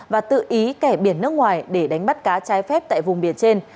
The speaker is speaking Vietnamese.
và tự ý kẻ biển nước ngoài để đánh bắt cá trái phép tại vùng biển trên